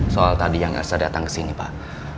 soal tadi yang saya datang ke sini pak